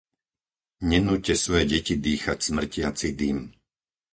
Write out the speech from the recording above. Nenúťte svoje deti dýchať smrtiaci dym!